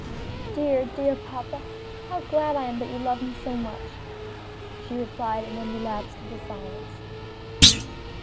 "Dear, dear papa! how glad I am that you love me so much!" she replied; and then relapsed into silence.